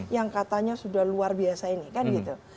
yang katanya sudah luar biasa ini